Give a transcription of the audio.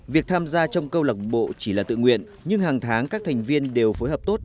việc tham gia trong câu lạc bộ chỉ là tự nguyện nhưng hàng tháng các thành viên đều phối hợp tốt